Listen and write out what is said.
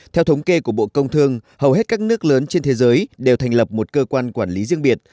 theo thống kê của bộ công thương hầu hết các nước lớn trên thế giới đều thành lập một cơ quan quản lý riêng biệt